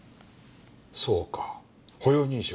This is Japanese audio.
そうか歩容認証。